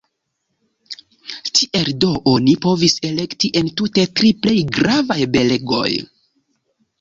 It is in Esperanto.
Tiel do oni povis elekti entute tri plej gravaj belgoj.